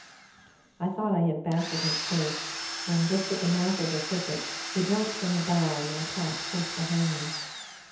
I thought I had baffled his chase, when, just at the mouth of the thicket, he dropped from a bough in my path close behind me.